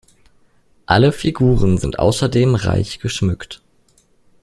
Alle Figuren sind außerdem reich geschmückt.